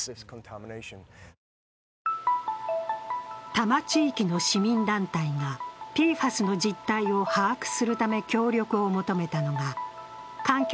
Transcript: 多摩地域の市民団体がＰＦＡＳの実態を把握するため協力を求めたのが環境